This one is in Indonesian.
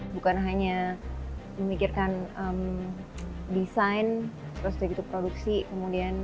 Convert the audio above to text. bukan hanya memikirkan desain terus itu produksi kemudian pakai gitu